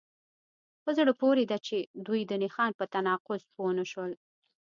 په زړه پورې ده چې دوی د نښان په تناقض پوه نشول